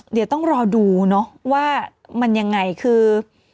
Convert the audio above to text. เดี๋ยวต้องรอดูเนอะว่ามันยังไงคือ